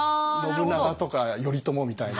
信長とか頼朝みたいな。